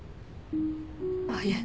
あっいえ